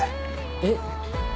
えっ？